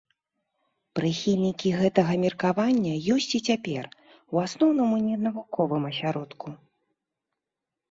Прыхільнікі гэтага меркавання ёсць і цяпер, у асноўным у ненавуковым асяродку.